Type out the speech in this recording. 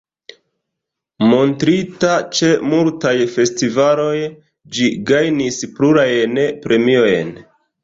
Montrita ĉe multaj festivaloj ĝi gajnis plurajn premiojn.